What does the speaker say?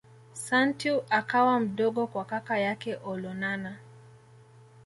Santeu akawa mdogo kwa kaka yake Olonana